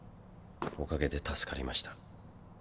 おかげで助かりました。